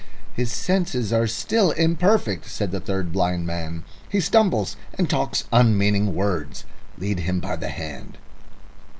"His senses are still imperfect," said the third blind man. "He stumbles, and talks unmeaning words. Lead him by the hand."